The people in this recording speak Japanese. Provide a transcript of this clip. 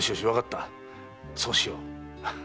わかったそうしよう。